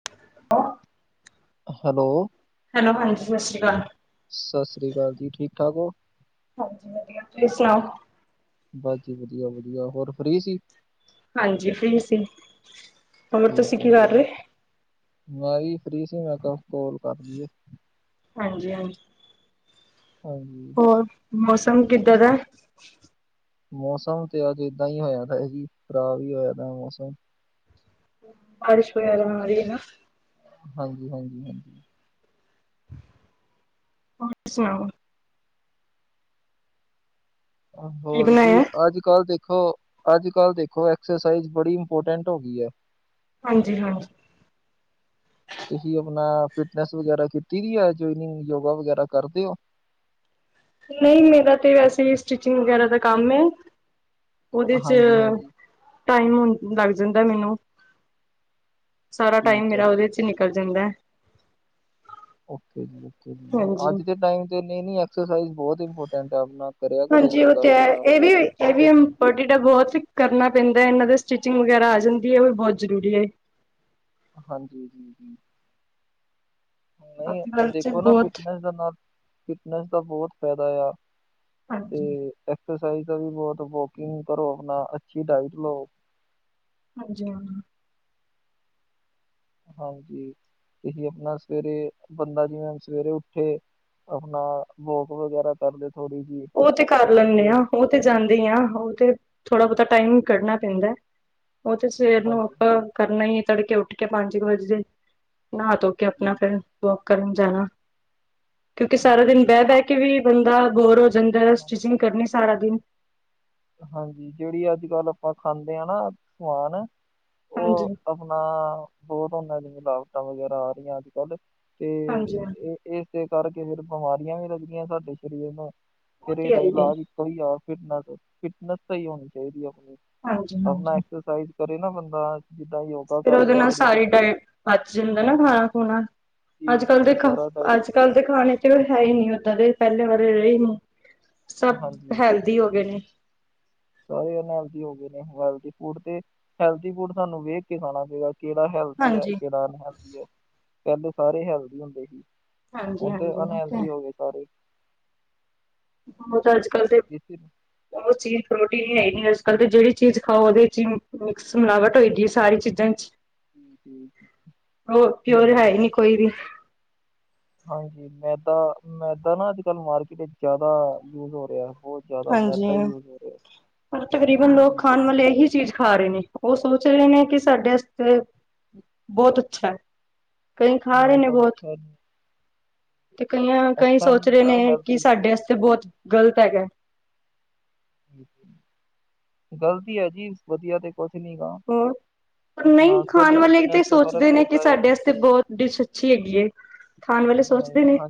[unintelligible] Hello. Hello ਹਾਂਜੀ ਸਤਿ ਸ਼੍ਰੀ ਅਕਾਲ। ਸਤਿ ਸ੍ਰੀ ਅਕਾਲ ਜੀ ਠੀਕ ਠਾਕ ਓ। ਹਾਂਜੀ ਵਧੀਆ ਤੁਸੀਂ ਸੁਣਾਓ? ਬਸ ਜੀ ਵਧੀਆ ਵਧੀਆ ਹੋਰ ਫਰੀ ਸੀ, ਹਾਂਜੀ ਫ੍ਰੀ ਸੀ ਹੋਰ ਤੁਸੀਂ ਠੀਕ ਹੈ ਕੀ ਕਰ ਜੀ ਰਹੇ? ਮੈਂ ਵੀ ਫ੍ਰੀ ਸੀ ਮੈਂ ਕ ਕੋਲ ਕਰ ਲਈਏ ਹਾਂਜੀ ਹਾਂਜੀ ਹਾਂਜੀ। ਹੋਰ ਮੌਸਮ ਕਿੱਦੈ ਦੈ? ਮੌਸਮ ਤੇ ਅੱਜ ਏਦਾਂ ਹੀ ਹੋਇਆ ਤਾ ਜੀ, ਖ਼ਰਾਬ ਹੀ ਹੋਇਆ ਤਾ ਮੌਸਮ। ਬਾਰਸ਼ ਹੋਆ ਮਾਰੀਏ ਨਾ ਹਾਂਜੀ ਹਾਂਜੀ ਹਾਂਜੀ ਹ ਸੁ ਕੀ ਹੋਰ ਜੀ ਬਣਾਇਆ? ਅੱਜ ਕੱਲ੍ਹ ਦੇ ਹੋਰ ਅੱਜ ਕੱਲ ਦੇਖੋ ਐਕਸਰਸਾਈਜ਼ ਬੜੀ ਇੰਪੋਰਟੈਂਟ ਹੋ ਗਈ ਹੈ, ਹਾਂਜੀ ਹਾਂਜੀ ਤੁਸੀਂ ਆਪਣਾ ਫਿਟਨੈਸ ਵਗੈਰਾ ਕੀਤੀ ਦੀ ਹੈ ਜੋਇਨਿੰਗ ਯੋਗਾ ਵਗੈਰਾ ਕਰਦੇ ਹੋ, ਨਹੀਂ ਮੇਰਾ ਤੇ ਵੈਸੇ ਹੀ ਸਟਿਚਿੰਗ ਵਗੈਰਾ ਦਾ ਕੰਮ ਹੈ [unintelligible] ਉਹਦੇ ਚ ਹਾਂਜੀ ਹਾਂਜੀ, ਟਾਈਮ ਲੱਗ ਜਾਂਦਾ ਮੈਨੂੰ ਸਾਰਾ ਟਾਈਮ ਠੀਕ ਹੈ। ਜੀ। ਮੇਰਾ ਉਹਦੇ 'ਚ ਨਿਕਲ। ਜਾਂਦੈ। ਓਕੇ ਜੀ ਓਕੇ ਜੀ, ਹਾਂਜੀ। ਅੱਜ ਦੇ ਟਾਈਮ ਤੇ ਨਈੰ ਨਈੰ ਐਕਸਰਸਾਈਜ਼ ਬਹੁਤ ਇੰਪੋਰਟੈਂਟ ਐ, ਆਪਨਾ ਹਾਂਜੀ ਉਹ ਤੇ ਐ, ਇਹ ਵੀ ਇਹ ਤੇ ਵੀ ਬਹੁਤ ਕਰਨਾ ਪੈਂਦਾ ਐ, ਇਹਨਾਂ ਦੇ ਸਟਿਚਿੰਗ ਵਗੈਰਾ ਆ ਜਾਂਦੀ ਐ, ਉਹ ਵੀ ਬਹੁਤ ਜ਼ਰੂਰੀ ਏ। ਹਾਂਜੀ, ਜੀ-ਜੀ। ਅੱਜ ਨਹੀਂ ਕੱਲ ਚ ਦੇਖੋ ਨਾ ਬਹੁਤ ਫਿਟਨਸ ਦੇ ਨਾਲ ਫਿਟਨੈਸ ਦਾ ਬਹੁਤ ਫਾਇਦਾ ਯਾ। ਤੇ ਹਾਂਜੀ, ਐਕਰਸਾਈਜ਼ ਦਾ ਵੀ ਬਹੁਤ ਵੋਕਿੰਗ ਕਰੋ ਆਪਨਾ, ਅੱਛੀ ਡਾਇਟ ਲਓ। ਹਾਂਜੀ, ਹਾਂਜੀ। ਹਾਂਜੀ, ਤੁਸੀਂ ਆਪਣਾ ਸਵੇਰੇ, ਬੰਦਾ ਜਿਵੇਂ ਸਵੇਰੇ ਉੱਠੇ ਆਪਣਾ, ਵੋਕ ਵਗੈਰਾ ਕਰਦੇ ਥੋੜ੍ਹੀ ਜਿਹੀ ਉਹ ਤੇ ਕਰ ਲੈਂਨੇ ਆ, ਫਿਰ ਉਹ ਤੇ ਜਾਂਦੇਈ ਆ, ਉਹ ਤੇ ਥੋੜ੍ਹਾ ਬਹੁਤਾ ਟਾਈਮ ਕੱਢਣਾ ਪੈਂਦੈ। ਉਹ ਤੇ ਸਵੇਰ ਨੂੰ ਹਾਂਜੀ ਆਪਾਂ ਕਰਨਾ ਹੀ ਤੜਕੇ ਉੱਠ ਕੇ ਪੰਜ ਕੁ ਵਜੇ, ਨਹਾ ਧੋ ਆਪਣਾ ਹਾਂਜੀ ਫਿਰ ਵੋਕ ਕਰਨ ਜਾਣਾ, ਕਿਉਂਕਿ ਸਾਰਾ ਜੀ ਦਿਨ ਬਹਿ ਜੀ ਬਹਿ ਵੀ ਬੰਦਾ ਬੋਰ ਹੋ ਜਾਂਦੈ, ਹਾਂ- ਸਟਿਚਿੰਗ ਕਰਨੀ ਸਾਰਾ ਦਿਨ ਹਾਂਜੀ ਜਿਹੜੀ ਅੱਜ ਕੱਲ੍ਹ ਆਪਾਂ ਖਾਂਦੇ ਆਂ ਨਾ, ਸਮਾਨ, ਉਹ ਹਾਂਜੀ, ਬਹੁਤ ਉਹਨਾਂ ਦੀਆਂ ਲਾਵਤਾਂ ਵਗੈਰਾ ਆ ਰਹੀਆਂ ਅੱਜ ਕੱਲ। ਤੇ ਹਾਂਜੀ, ਹਾਂਜੀ। ਇਹ [unintelligible] ਏਸੇ ਕਰਕੇ ਫੇਰ ਬਿਮਾਰੀਆਂ ਵੀ ਲੱਗਦੀਆਂ ਸਾਡੇ ਸਰੀਰ ਨੂੰ, ਉਹ ਫਿਰ ਤੇ ਹੈ ਇਹਦਾ ਹੀ ਹੈ। ਇਲਾਜ ਸਹੀ ਫਿਟਨ ਫਿਟਨਸ ਸਹੀ ਹੋਣੀ ਚਾਹੀਦੀ ਆਪਨੀ, ਹਾਂਜੀ, ਆਪਣਾ ਹਾਂਜੀ। ਐਕਸਾਈਜ ਕਰੇ ਨਾ ਬੰਦਾ, ਜਿੱਦਾਂ ਯੋਗਾ ਕਰ ਲ ਥੋੜੀ ਬਹੁਤੀ ਬੱਜ ਜਾਂਦਾ ਨਾ ਖਾਣਾ ਖੂਣਾ ਜੀ ਅੱਜ ਕੱਲ ਜੀ ਦੇਖ ਸਾਰਾ ਟਾਈਮ ਅੱਜ [unintelligible] ਕੱਲ ਦੇ ਖਾਣੇ ਚ ਹੈ ਹੀ ਨਹੀਂ ਓਦਾਂ ਦੇ ਪਹਿਲੇ ਵਾਰੇ ਰਏ ਨੀਂ, ਸਭ ਹੈਲਥ ਵਧੀ ਹੋ ਗਏ ਨੇ [unintelligible] ਸਾਰੇਲ ਹੋ ਗਏ ਨੇਲ ਫੂਡ ਤੇ, [unintelligible] ਹੈਲਦੀ ਫੂਡ ਤੁਾਨੂੰ ਵੇਖ ਕੇ ਖਾਣਾ ਪਏਗਾ ਕਿਹੜਾ ਹੈਲਦੀ ਐ, ਹਾਂਜੀ। ਕਿਹੜਾ ਅਨਹੈਲਦੀ ਐ, ਪਹਿਲੇ ਸਾਰੇ ਹੈਲਦੀ ਹੁੰਦੇ ਸੀ। ਹੁਣ ਤੇ ਹਾਂਜੀ-ਹਾਂਜੀ ਉਹ ਹੈ ਅਨਹੈਲਦੀ ਹੋ ਗਏ ਸਾਰੇ? ਬਹੁਤ ਅੱਜ ਕੱਲ੍ਹ ਦੇ ਇਸ ਉਹ ਚੀਜ਼ ਪ੍ਰੋਟੀਨ ਨੀ ਹੈਗੀ ਅੱਜਕਲ ਤੇ, ਜਿਹੜੀ ਚੀਜ਼ ਖਾਓ ਉਹਦੇ ਚ ਮਿਕਸ ਮਿਲਾਵਟ ਹੋਈ ਦੇ ਸਾਰੀ ਚੀਜ਼ ਥੈਂ [unintelligible] ਠ ਠੀਠ ਪਿਓਰ ਹੈ ਹਮ [inaudible] ਹੀ ਨਹੀਂ ਕੋਈ ਨਹੀਂ ਹਾਂਜੀ, ਮੈਦਾ, ਮੈਦਾ ਨਾ ਅੱਜ ਕੱਲ ਮਾਰਕੀਟ ਵਿੱਚ ਜ਼ਿਆਦਾ ਯੂਜ ਹੋ ਰਿਹਾ। ਬਹੁਤ ਜ਼ਿਆਦਾ ਹਾਂਜੀ, ਮੈਦਾ ਹੀ ਯੂਜ਼ ਹੋ ਰਿਹਾ। ਪਰ ਤਕਰੀਬਨ ਜੀ, ਲੋਕ ਜੀ। ਖਾਨ ਵਾਲੇ ਇਹੀ ਚੀਜ਼ ਖਾ ਰਏ ਨੇ। ਉਹ ਸੋਚ ਰਹੇ ਨੇ ਕਿ, ਸਾਡੇ ਏਤੇ ਬਹੁਤ ਅੱਛਾ ਐ। ਕਈ ਖਾ ਰਏ ਨਹੀਂ ਨੇ। ਪਰ ਬਹੁਤ ਅੱਛਾ ਤੇ ਕਈਆਂ ਕਈ ਅੱਛਾ ਸੋਚ ਨਹੀਂ ਰਹੇ ਹੈਗਾ, ਨੇ, ਹੈਲਥ ਕਿ ਇਸ਼ੂ ਸਾਡੇ ਹੋ ਆਸਤੇ ਜਾਂਦੇ ਨੇ। ਬਹੁਤ ਗ਼ਲਤ ਹੈਗੈ ਗਲਤੀ ਹੈ ਜੀ, ਵਧੀਆ ਤੇ ਕੁਛ ਨੀ ਗਾ ਹੋਰ ਪਰ ਨਹੀਂ ਆਪਣਾ, ਖਾਣ ਸਾਡੀ ਵਾਲੇ ਫਿਟਨਸ ਤੇ ਫ਼ਰਕ ਸੋਚਦੇ ਨੇ ਕਿ ਪੈਂਦਾ ਯਾ। ਸਾਡੇ ਤੇ ਆਸਤੇ ਬਹੁਤ ਡਿਸ਼ ਅੱਛੀ ਹੈਗੀ ਏ ਖਾਣ ਵਾਲੇ ਨਹੀਂ ਸੋਚਦੇ ਨੇ ਹਾਂਜੀ,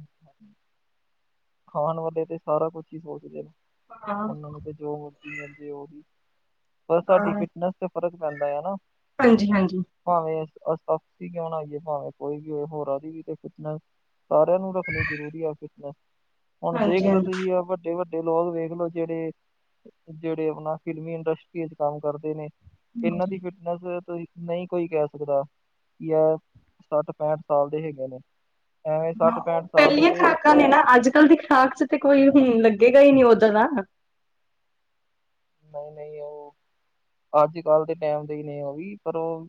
ਖਾਣ ਵਾਲੇ, ਤੇ ਸਾਰਾ ਕੁਛ ਹੀ ਸੋਚਦੇ, ਹਾਂ ਉਹਨਾਂ ਨੂੰ ਜੋ ਮਰਜ਼ੀ ਮਿਲਜੇ ਉਹਹੀ ਪਰ ਸਾਡੀ ਅ ਫਿਟਨੈਸ ਤੇ ਫ਼ਰਕ ਪੈਂਦਾ ਹੈ ਨਾ [unintelligible] ਹਾਂਜੀ- ਹਾਂਜੀ। ਭਾਵੇਂ ਅਸ ਅਸੀਂ ਕਿਉਂ ਨਾ ਹੋਇਯੇ, ਭਾਵੇਂ ਕੋਈ ਵੀ ਹੋਏ, ਹੋਰਾਂ ਵੀ ਤੇ ਫਿਟਨੈਸ ਸਾਰਿਆਂ ਨੂੰ ਰੱਖਣੀ ਜ਼ਰੂਰੀ ਆ ਫਿਟਨਸ। ਹੁਨ ਦੇਖ ਹਾਂਜੀ ਲਓ ਹਾਂਜੀ ਤੁਸੀਂ ਆ ਤੁਹੀ ਵੱਡੇ ਲੋਕ ਵੇਖ ਲੋ ਜਿਹੜੇ, ਜਿਹੜੇ ਆਪਨਾ ਫਿਲਮੀ ਇੰਡਸਟਰੀ ਚ ਕੰਮ ਕਰਦੇ ਨੇ ਇਹਨਾਂ ਹਾਂਜੀ ਦੀ ਫਿਟਨਸ, ਨਹੀਂ ਕੋਈ ਕਹਿ ਸਕਦਾ? ਜਾਂ ਸੱਠ ਪੈਂਠ ਸਾਲ ਦੇ ਹੇਗੇ ਨੇ। ਐਵੇਂ ਸੱਠ ਓ ਪੈਂਹਠ ਸਾਲ ਦੇ ਪਹਿਲੀਆਂ ਤੇ ਖਰਾਕਾਂ ਨੇ ਨਾ, ਅੱਜ ਕੱਲ ਦੀ ਖਰਾਕ ਚ ਤੇ ਕੋਈ ਲੱਗੇਗਾ ਹੀ ਨਹੀ ਓਦਾ ਦਾ ਨਹੀਂ ਨਹੀਂ ਉਹ ਅੱਜ ਕੱਲ੍ਹ ਦੇ ਟਾਈਮ ਦੇ, ਨੇ ਉਹ ਵੀ ਪਰ, ਉਹ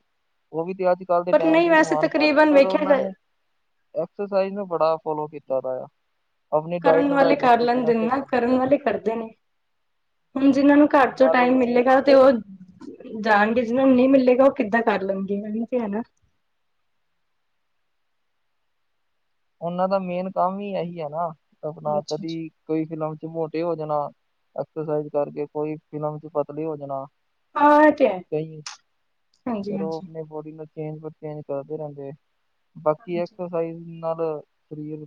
ਉਹ ਵੀ ਤੇ ਅੱਜ ਅੱਜ ਕੱਲ ਦੇ ਪਰ ਟਾਈਮ ਨਹੀਂ ਦੇ ਵੈਸੇ ਸਮਾਨ ਪਰ ਤਕਰੀਬਨ ਪਰ ਵੇਖਿਆ ਉਹਨਾਂ ਜਾ- ਨੇ, ਐਕਸਰਸਾਈਜ਼ ਨੂੰ ਬੜਾ ਫੋਲੋ ਕੀਤਾ, ਦਾ ਆ ਆਪਣੀ ਡਾਇਟ ਕਰਨ ਨੂੰ ਲੈ ਵਾਲੇ ਕੇ ਕਰ ਲੈਂਦੇ ਸਟਿਕਨੈਸ ਨੇ, ਹੈਗੇ ਕਰਨ ਵਾਲੇ ਕਰਦੇ ਹੂ, ਹੁਣ ਜਿਨਾਂ ਨੂੰ ਘਰ ਚ, ਨਾਲੇ ਟਾਈਮ ਮੇਨ ਮਿਲੇਗਾ ਤੇ ਉਹ ਜਾਣਗੇ, ਜਿਹਨਾਂ ਨੂੰ ਨਹੀਂ ਮਿਲੇਗਾ, ਉਹ ਕਿੱਦਾਂ, ਕਰ ਲਣਗੇ ਤੇ ਹੈ ਨਾ ਉਹਨ ਦਾ, ਮੇਨ ਕੰਮ ਹੀ ਇਹੀ ਹੈ ਨਾ, ਆਪਣਾ ਅੱਛਾ ਅੱਛਾ ਕਦੀ ਕੋਈ ਫਿਲਮ ਚ, ਮੋਟੇ ਹੋ ਜਾਣਾ ਐਕਸਰਸਾਈਜ਼ ਕਰਕੇ, ਕੋਈ ਫਿਲਮ ਚ ਪਤਲੇ ਹੋ ਜਾਣਾ ਹਾਂ ਇਹ ਤੇ ਹੈ ਕਹੀ, ਹਾਂਜੀ ਫਿਰ ਉਹ ਹਾਂਜੀ ਆਪਣੇ ਬੋਡੀ ਨਾਲ, ਚੇਂਜ ਪਰਚੇਂਜ ਕਰਦੇ ਰਹਿੰਦੇ, ਬਾਕੀ ਹਾਂਜੀ ਐਕਸਸਾਈਜ਼ ਨਾਲ ਸਰੀਰ,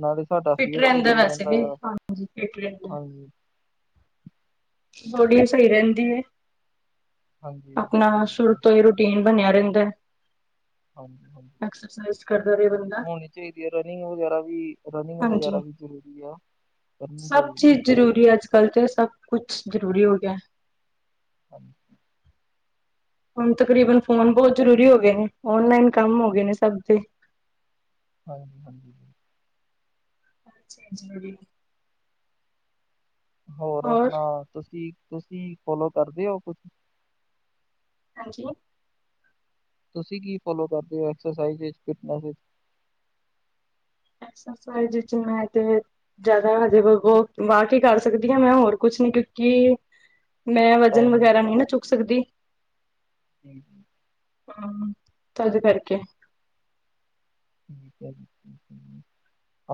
ਨਾਲੇ ਸਾਡਾ ਫਿਟ ਫੇਸ ਵੀ, ਸਹੀ ਵੈਸੇ ਰਹਿੰਦਾ ਵੀ ਆ, ਹਾਂਜੀ ਫਿਟ ਰਹਿੰਦਾ ਹਾਂਜੀ ਸੋੜੀਆਂ ਸਹੀ ਰਹਿੰਦੀ ਏ, ਹਾਂਜੀ ਬਿਲਕੁਲ ਆਪਣਾ ਸੁਰ ਬਿਲਕੁਲ ਤੋਂ ਹੀ, ਰੁਟੀਨ ਰੁਟੀਨ, ਬਣਿਆ ਰਹਿੰਦਾ? ਹਾਂਜੀ- ਹਾਂਜੀ ਐਕਸਰਸਾਈਜ਼, ਕਰਨ ਨਾਲ, ਬੰਦਾ ਹੋਣੀ ਚਾਹੀਦੀ ਹੈ, ਰਨਿੰਗ ਵਗੈਰਾ ਵੀ, ਰਨਿੰਗ ਹਾਂਜੀ, ਵਗੈਰਾ ਵੀ, ਜ਼ਰੂਰੀ ਆ ਕਰਨੀ, ਸਭ ਚਾਹੀਦੀ ਚੀਜ਼ ਫਿਟਨੈਂਸ ਜ਼ਰੂਰੀ ਅੱਜ ਕਲ ਸਭ ਕੁਛ ਜ਼ਰੂਰੀ ਹੋ ਗਿਆ ਹਾਂਜੀ ਹੁਣ ਤਕਰੀਬਨ, ਫ਼ੋਨ ਬਹੁਤ ਜ਼ਰੂਰੀ ਹੋ ਗਏ ਨੇ, ਔਨਲਾਈਨ ਕੰਮ, ਹੋ ਗਏ ਨੇ ਸਭ ਦੇ ਹਾਂਜੀ ਹਾਂਜੀ ਜ਼ਰੂਰ [inaudible] ਹੋਰ ਆਪਣਾ, ਤੁਸੀਂ ਤੁਸੀਂ ਫੋਲੋ ਕਰਦੇ ਹੋ, ਕੁਛ ਹਾਂਜੀ ਤੁਸੀਂ, ਕੀ ਫੋਲੋ ਕਰਦੇ ਹੋ ਐਕਸਰਸਾਈਜ ਵਿਚ, ਕਿਦਾ ਐਕਸਸਾਈਜ਼, ਚ ਮੈਂ ਤੇ ਜ਼ਿਆਦਾ ਹਜੇ ਵੋਕ, ਕਰ ਸਕਦੀ ਹਾਂ, ਮੈਂ ਹੋਰ ਕੁਛ ਨੀ ਕਿਉਂਕਿ ਮੈਂ ਵਜ਼ਨ ਟਾਈਮ ਵਗੈਰਾ, ਵਿੱਚ? ਨਈ ਨਾ, ਚੁੱਕ ਸਕਦੀ [inaudible] [unintelligible] ਹੁ ਤਦ ਕਰਕੇ ਠੀਕ ਹੈ,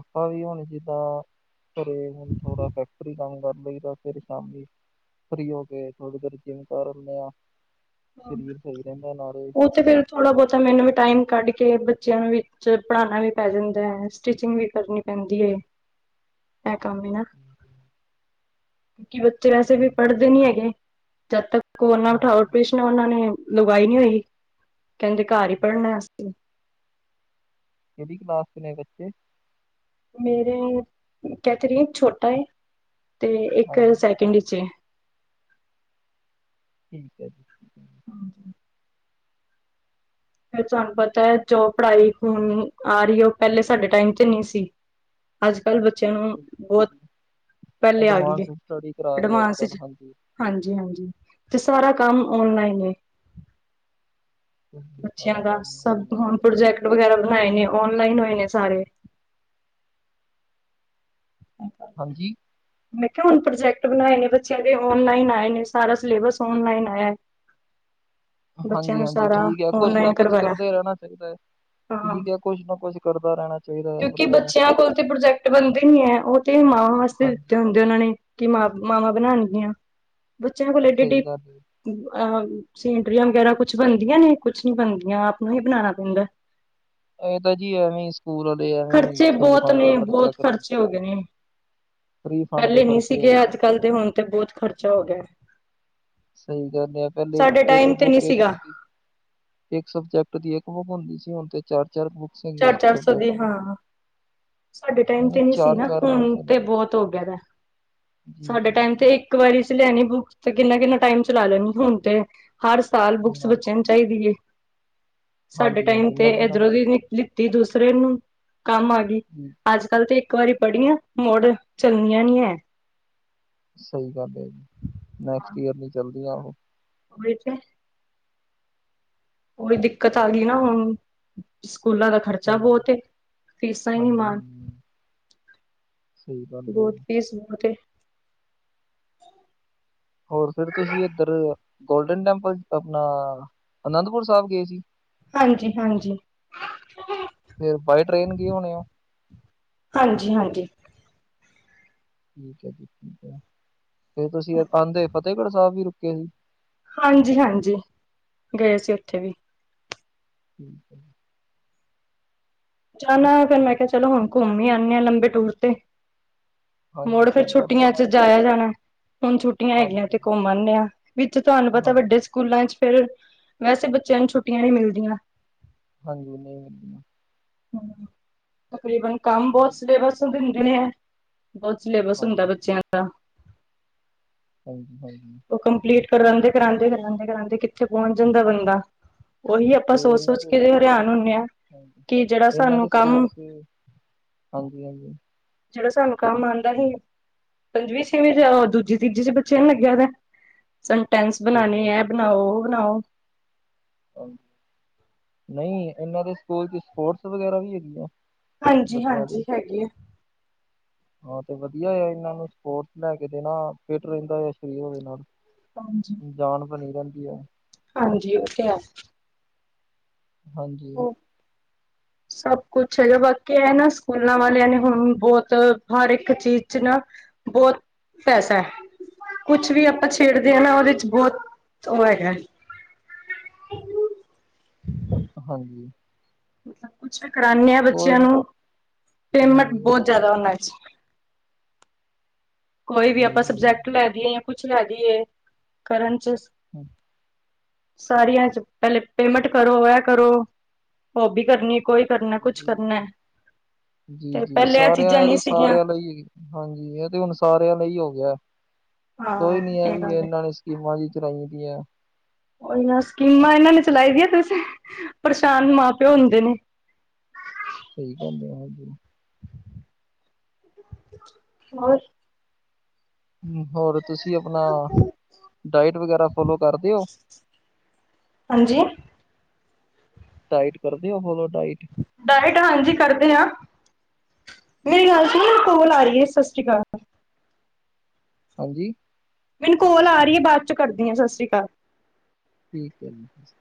ਆਪਾਂ ਵੀ ਹੁਣ ਜਿੱਦਾਂ ਪਰ ਇਹ, ਹੁਣ ਥੋੜਾ ਫੈਕਟਰੀ ਕੰਮ ਕਰ ਲਈ ਦਾ ਫਿਰ ਸ਼ਾਮੀ, ਫਰੀ ਹੋ ਕੇ ਥੋੜੀ ਦੇਰ ਜਿਮ ਕਰ, ਆਨੇ ਆ ਸਰੀਰ ਸਹੀ ਰਹਿੰਦਾ ਨਾਲੇ ਉਹ ਤੇ, ਫਿਰ ਥੋੜਾ ਦਾ- ਬਹੁਤਾ ਮੈਨੂੰ ਵੀ ਟਾਈਮ ਕੱਢ ਕੇ ਕਿ ਬੱਚਿਆਂ ਵਿੱਚ ਪੜ੍ਹਾਉਣਾ ਵੀ ਪੈ ਜਾਂਦਾ ਹੈ, ਸਟਿਚਿੰਗ ਵੀ, ਕਰਨੀ ਪੈਂਦੀ ਹੈ। ਅ ਕਮ ਨੇ ਨਾ ਕਿਉਂਕਿ ਬੱਚੇ ਵੈਸੇ ਵੀ ਠੀਕ ਹੈ। ਪੜ੍ਹਦੇ ਨਹੀਂ ਹੈਗੇ, ਜਦੋਂ ਤੱਕ ਕੋਈ ਉਨ੍ਹਾਂ ਨੂੰ ਨਾ ਹਾਂਜੀ ਉਠਾਏ ਉਹਨਾਂ ਨੇ ਲਗਾਈ ਨਹੀਂ ਹੋਈ, ਕਹਿੰਦੇ ਘਰ ਹੀ ਹਾਂਜੀ। ਪੜ੍ਹਨਾ ਅਸੀਂ ਕਿਹੜੀ ਕਲਾਸ ਦੇ ਨੇ ਬੱਚੇ? ਮੇਰੇ ਕਹਿ ਤੇ ਰਹੀ ਛੋਟਾ ਹੈ ਤੇ ਇੱਕ ਹਾਂਜੀ ਸੈਕਿੰਡ। ਠੀਕ ਹੈ ਜੀ। ਤੁਹਾਨੂੰ ਪਤਾ ਹੈ, ਜੋ ਪੜ੍ਹਾਈ ਹੁਣ ਆ ਰਹੀ ਹੈ, ਉਹ ਪਹਿਲਾਂ ਸਾਡੇ ਟਾਈਮ ਵਿੱਚ ਨਹੀਂ ਸੀ। ਅੱਜ-ਕੱਲ੍ਹ ਜੀ, ਬੱਚਿਆਂ ਨੂੰ ਬਿਲਕੁਲ ਜੀ, ਬਹੁਤ ਕੁਝ ਬਿਲਕੁਲ। ਪਹਿਲਾਂ ਹੀ ਆ ਗਿਆ ਐਡਵਾਂਸ ਹੈ, ਸਟੱਡੀ ਕਰਾ ਰਹੇ ਅੱਜ ਐਡਵਾਂਸ ਕੱਲ ਵਿੱਚ। ਹਾਂਜੀ ਹਾਂਜੀ ਹਾਂਜੀ, ਤੇ ਸਾਰਾ ਕੰਮ ਆਨਲਾਈਨ ਹੈ। ਬੱਚਿਆਂ ਸਾਰਾ ਦਾ ਸਭ ਕੰਮ ਹੁਣ ਪ੍ਰੋਜੈਕਟ ਵਗੈਰਾ ਬਣਾਏ ਨੇ, ਸਾਰੇ ਆਨਲਾਈਨ ਹੋ ਗਏ ਨੇ, ਅ ਕਰ, ਹਾਂਜੀ ਮੈਂ ਕਿਹਾ ਹੁਣ, ਪ੍ਰੋਜੈਕਟ ਬਣਾਏ ਨੇ ਬੱਚਿਆਂ ਦੇ ਔਨਲਾਈਨ ਆਏ ਨੇ, ਸਾਰਾ ਸਿਲੇਬਸ ਓਨਲਾਈਨ ਆਇਆ। ਬੱਚਿਆਂ ਹਾਂਜੀ ਨੂੰ -ਹਾਂਜੀ ਸਾਰਾ ਠੀਕ ਹੈ, ਕੁਛ ਨਾ ਔਨਲਾਈਨ ਕੁਛ ਕਰਵਾਇਆ ਕਰਦੇ ਰਹਿਣਾ, ਚਾਹੀਦਾ ਹੈ ਹਾਂ ਠੀਕ ਹੈ। ਕੋਛ ਨਾ ਕੋਛ ਕਰਦਾ ਰੈਣਾ ਕਿਉਂਕਿ, ਬੱਚਿਆਂ ਕੋਲੋ ਤੇ ਪ੍ਰੋਜੈਕਟ ਬਣਦੇ ਨਈ ਹੈ,, ਉਹ ਤੇ ਮਾਵਾਂ ਵਾਸਤੇ ਹਾਂਜੀ ਦਿੱਤੇ ਹੁੰਦੇ ਉਹਨਾਂ ਨੇ ਕਿ, ਮਾਵਾਂ ਬਣਾਉਣਗੀਆਂ ਬੱਚਿਆਂ ਕੋਲ ਏਡੀ ਏਡੀ ਸਹੀ ਗੱਲ ਏ। ਅ ਸੀਨਰੀਆਂ, ਵਗੈਰਾ ਕੁਛ ਬਣਦੀਆਂ ਨੇ, ਕੁੱਛ ਨਈ ਬਣਦੀਆਂ, ਆਪ ਨੂੰ ਹੀ ਬਣਾਣਾ ਪੈਂਦਾ ਏ ਤਾਂ, ਜੀ ਅਵੇਂ ਖ਼ਰਚੇ ਬਹੁਤ ਨੇ, ਬਹੁਤ ਕਰਵਾਉਣ ਖ਼ਰਚੇ ਹੋ, ਗਏ ਨੇ ਫ੍ਰੀ ਫੰਡ ਦੇ ਪਹਿਲੇ ਨਹੀਂ ਖਰਚੇ ਆ ਸੀਗੇ ਅੱਜ ਜੀ, ਕਲ ਦੇ ਹੁਣ ਤੇ ਬਹੁਤ ਖ਼ਰਚਾ ਹੋ ਗਿਆ ਸਹੀ ਗਲ ਹੈ, ਪਹਿਲੇ ਸਾਡੇ ਏਕ ਟਾਈਮ ਤੇ ਹੋ ਨਹੀਂ ਕੇ ਸੀਗਾ ਹੁੰਦੀ ਇੱਕ ਸਬਜੈਕਟ ਦੀ ਇੱਕ ਬੁੱਕ ਹੁੰਦੀ ਸੀ ਹੁਣ ਤੇ ਚਾਰ-ਚਾਰ ਬੁੱਕਸ ਹੈਗੀਆਂ ਇੱਕ ਚਾਰ-ਚਾਰ ਸੌ ਦੀਆਂ ਸਬਜੈਕਟ ਦੀ। ਹਾਂ। ਸਾਡੇ ਟਾਈਮ ਨਹੀਂ-ਨਹੀਂ ਤੇ ਨਹੀਂ ਸੀ ਨਾ, ਚਾਰ-ਚਾਰ ਬੁੱਕਸ ਹੁੰ ਨੇ, ਤਾਂ ਬਹੁਤ ਹੋ ਗਿਆ। ਸਾਡੇ ਟਾਈਮ ਜੀ-ਜੀ-ਜੀ ਤੇ! ਇੱਕ ਵਾਰੀ ਵਿੱਚ, ਲੈਣੀਆਂ ਬੁੱਕਸ ਤੇ ਕਿੰਨਾ-ਕਿੰਨਾ ਟਾਈਮ ਚਲਾ ਲੈਣੀਆਂ? ਹੁਣ ਤਾਂ ਹਰ ਸਾਲ ਬੱਚਿਆਂ ਦੀਆਂ ਬੁੱਕਸ ਨਾ ਬਦਲ ਜਾਂਦੀਆਂ ਨੇ। ਚਾਹੀਦੀ ਹੈ, ਸਾਡੇ ਟਾਈਮ ਹਾਂਜੀ-ਹਾਂਜੀ ਤੇ ਇੱਧਰੋਂ ਦੀ ਨਵੀਂ-ਨਵੀਂ ਨਹੀਂ ਸੀ। ਲੈ ਲਈ, ਦੂਸਰੇ ਨੂੰ ਕੰਮ ਆ ਗਈ। ਹਮ ਅੱਜ-ਕੱਲ੍ਹ ਤਾਂ ਇੱਕ ਵਾਰੀ ਪੜ੍ਹੀਆਂ ਕਿਤਾਬਾਂ ਮੁੜ ਚੱਲਦੀਆਂ ਨਹੀਂ ਹੈ। ਸਹੀ ਗੱਲ ਹੈ ਜੀ, ਨੈਕਸਟ ਈਅਰ ਲਈ ਜਲਦੀ ਆਉਂ ਹੋਹੀ ਤੇ ਕੋਈ, ਦਿੱਕਤ ਆ ਗਈ ਨਾ ਹੁਣ ਸਕੂਲਾਂ ਦਾ ਖ਼ਰਚਾ ਸਹੀ ਬਹੁਤ ਏ, ਫੀਸਾਂ ਹੀ ਨੀ ਮਾਣ ਹਾਂਜੀ-ਹਾਂਜੀ। ਸਹੀ ਗੱਲ ਹੈ ਬਹੁਤ ਈ ਸੁਆਦ ਏ, ਹੋਰ ਫਿਰ ਤੁਸੀਂ ਇੱਧਰ ਗੋਲਡਨ ਟੈਂਪਲ ਆਪਣਾ ਅਨੰਦਪੁਰ ਸਾਹਿਬ ਗਏ ਸੀ। ਹਾਂਜੀ ਹਾਂਜੀ। ਫਿਰ ਬਾਏ ਟਰੇਨ ਗਏ ਹੋਣੇ ਓ। ਹਾਂਜੀ ਹਾਂਜੀ। ਠੀਕ ਆ ਜੀ ਠੀਕ ਫੇਰ ਤੁਸੀਂ ਆਂਦੇ ਫਤਿਹਹਗੜ੍ਹ ਸਾਹਿਬ ਵੀ ਰੁਕੇ ਸੀ। ਹਾਂਜੀ-ਹਾਂਜੀ ਗਏ ਸੀ ਓਥੇ ਵੀ। ਠੀਕ ਐ। ਜਾਣਾ ਫੇਰ ਮੈਂ ਕਿਹਾ ਚਲੋ ਹੁਣ ਘੁੰਮ ਹੀ ਆਨੇ ਆ ਲੰਬੇ ਟੂਰ ਤੇ। ਹਾਂਜੀ ਮੁੜ ਸਹੀ ਫੇਰ ਗੱਲ ਹੈ ਛੁੱਟੀਆਂ ਚ ਨਾਲੇ ਜਾਇਆ ਤੁਸੀਂ ਜਾਣਾ। ਹੁਣ ਛੁੱਟੀਆਂ ਹੈਗੀਆਂ ਹਾਂਜੀ ਤੇ ਘੁੰਮਣ ਦੇ ਆ ਵਿੱਚ ਤੁਹਾਨੂੰ ਪਤਾ ਹਾਂਜੀ ਵੱਡੇ ਸਕੂਲਾਂ ਚ ਫੇਰ ਵੈਸੇ ਬੱਚਿਆਂ ਨੂੰ ਛੁੱਟੀਆਂ ਨੀ ਮਿਲਦੀਆਂ। ਹਾਂਜੀ ਨਹੀਂ ਮਿਲਦੀਆਂ। ਹੂੰ, ਤਕਰੀਬਨ ਕੰਮ ਬਹੁਤ ਸਿਲੇਬਸ ਨੂੰ ਦਿੰਦੇ ਐ। ਬਹੁਤ ਸਿਲੇਬਸ ਹੁੰਦਾ ਹਾਂਜੀ ਬੱਚਿਆਂ ਦਾ। [unintelligible] [inaudible] ਉਹ ਕੰਪਲੀਟ ਕਰਾਉਂਦੇ, ਕਰਾਉਦੇ ਕਰਾਉਂਦੇ ਕਿੱਥੇ, ਪਹੁੰਚ ਜਾਂਦਾ ਬੰਦਾ। ਉਹੀ ਆਪਾਂ, ਤੇ ਸੋਚ ਇਹਨਾਂ ਸੋਚ ਦੇ ਕੇ ਹਰਿਆਨ ਹੁੰਨੇ ਆ ਹਾਂਜੀ ਕਿ, ਜਿਹੜਾ ਇਹਨਾਂ, ਸਾਨੂੰ ਦੇ ਸਕੂਲ ਕੰਮ ਚ, ਹਾਂਜੀ ਹਾਂਜੀ ਜਿਹੜਾ ਸਾਨੂੰ ਕੰਮ ਆਉਂਦਾ ਸੀ। ਪੰਜਵੀ ਛੇਵੀ ਚ, ਦੂਜੀ ਤੀਜੀ ਚ, ਬੱਚਿਆ ਲੱਗਿਆ ਦਾ ਸੰਟੈਂਸ ਸਹੀ ਗੱਲ ਬਣਾਉਣੇ ਹੈ, ਬਣਾਓ ਉਹ ਬਣਾਓ ਨਹੀਂ, ਇਹਨਾਂ ਦੇ ਸਕੂਲ ਚ ਸਪੋਰਟਸ ਵਗੈਰਾ ਵੀ ਹੈਗੀ ਆ ਬਤਿਆ ਦੀ ਹਾਂਜੀ-ਹਾਂਜੀ ਹੈਗੀ ਐ। ਹਾਂ ਤੇ ਵਧੀਆ ਆ ਇਹਨਾਂ ਨੂੰ ਸਪੋਰਟਸ ਲੈ ਕੇ ਦੇਣਾ ਫਿਟ ਰਹਿੰਦਾ ਆ ਸਰੀਰ ਉਹਦੇ ਨਾਲ ਹਾਂਜੀ। ਜਾਨ ਬਣੀ ਰਹਿੰਦੀ ਹੈ। ਹਾਂਜੀ, ਉਹ ਤੇ ਹੈ ਹਾਂਜੀ ਉਹ ਸਭ ਕੁਛ ਹੈਗਾ ਬਾਕੀ ਇਹ ਨਾ ਸਕੂਲਾਂ ਵਾਲਿਆਂ ਨੇ ਹੁਣ ਬਹੁਤ ਹਰ ਇੱਕ ਚੀਜ਼ ਚ ਨਾ ਬਹੁਤ ਪੈਸਾ। ਕੁਛ ਵੀ ਆਪਾਂ ਛੇੜਦੇ ਆ ਨਾ ਉਹਦੇ ਚ ਬਹੁਤ ਉਹ ਹੈਗਾ। [inaudible] ਹਾਂਜੀ, ਮਤਲਬ ਕੁਛ ਕਰਾਨੇ ਆ ਬੱਚਿਆਂ ਕੋਈ ਨੂੰ ਪੇਮੈਂਟ ਹਾਂਜੀ ਬਹੁਤ ਜ਼ਿਆਦਾ ਉਹਨਾਂ ਚ ਕੋਈ ਵੀ ਜੀ ਆਪਾਂ ਜੀ ਸਬਜੈਕਟ ਲੈ ਦਈ ਏ ਜਾਂ ਕੁਛ ਲੈ ਦਈ ਏ ਕਰਨ ਚ ਸਾਰੀਆਂ ਚ ਪਹਿਲੇ ਪੇਮੈਂਟ ਕਰੋ ਇਹ ਕਰੋ ਉਹ ਵੀ ਕਰਨੀ ਕੋਈ ਕਰਨਾ [inaudible] ਕੁਛ ਕਰਨਾ। ਜੀ ਤੇ ਜੀ ਪਹਿਲੇ ਚੀਜ਼ਾਂ ਸਾਰਿਆਂ ਇਹ ਨਹੀਂ ਤੇ ਸੀਗੀਆਂ ਸਾਰਿਆਂ ਲਈ ਹਾਂਜੀ ਇਹ ਤੇ ਹੁਣ ਸਾਰਿਆਂ ਲਈ ਹੀ ਹੋ ਗਿਆ ਕੋਈ ਹਾਂ ਨੀ ਹੈ ਇਹ ਵੀ ਗੱਲ ਇਹਨਾਂ ਨੇ। ਸਕੀਮਾਂ ਜ ਚਰਾਈ ਦੀਆਂ ਉਹ ਸਕੀਮਾਂ ਇਹਨਾਂ ਨੇ ਚਲਾਈ ਦੀਆਂ ਤੇ ਪਰਸ਼ਾਨ ਮਾਂ ਪਿਓ ਹੁੰਦੇ ਨੇ ਸਹੀ ਕੰਮ ਆ ਹਾਂਜੀ [inaudible] [inaudible] ਹੋਰ ਹੋਰ ਤੁਸੀਂ ਆਪਣਾ ਡਾਇਟ ਵਗੈਰਾ ਫੋਲੋ ਕਰਦੇ ਹੋ ਹਾਂਜੀ। ਡਾਈਟ ਕਰਦੇ ਹੋ ਫੋਲੋ ਡਾਈਟ ਡਾਇਟ ਹਾਂਜੀ ਕਰਦੇ ਹਾਂ, ਮੇਰੀ ਗੱਲ ਸੁਣ ਕੋਲ ਆ ਰਹੀ ਹੈ ਸਤਿ ਸ਼੍ਰੀ ਅਕਾਲ ਹਾਂਜੀ। ਮੈਨੂੰ ਕੋਲ ਆ ਰਹੀ ਹੈ ਬਾਅਦ ਚੋਂ ਕਰਦੀ ਹਾਂ ਸਤਿ ਸ਼੍ਰੀ ਅਕਾਲ ਠੀਕ ਹੈ ਜੀ।